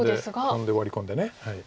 トンでワリ込んで。